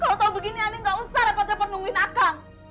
kalau tahu begini ani gak usah repot repot nungguin akang